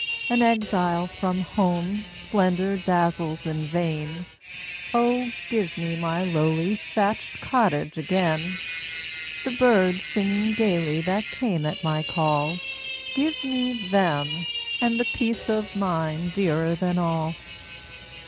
An exile from home, splendor dazzles in vain:O, give me my lowly thatched cottage again! The birds singing gayly that came at my call;—Give me them,—and the peace of mind dearer than all!